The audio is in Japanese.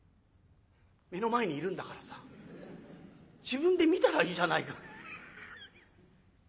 「目の前にいるんだからさ自分で見たらいいじゃないか」。